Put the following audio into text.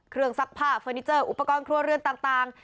ซักผ้าเฟอร์นิเจอร์อุปกรณ์ครัวเรือนต่าง